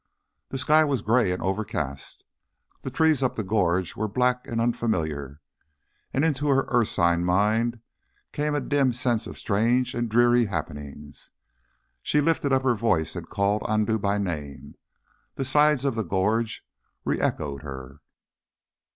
The sky was grey and overcast, the trees up the gorge were black and unfamiliar, and into her ursine mind came a dim sense of strange and dreary happenings. She lifted up her voice and called Andoo by name. The sides of the gorge re echoed her.